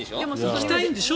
行きたいんでしょ？